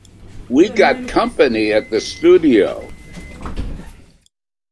We got company at the studio!